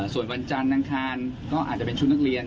ส่วนวันจันทร์อังคารก็อาจจะเป็นชุดนักเรียน